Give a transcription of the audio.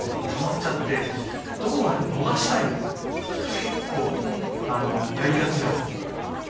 結構ねやりがちなんですよ。